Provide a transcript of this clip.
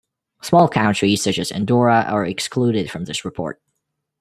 Small countries, such as Andorra, are excluded from this report.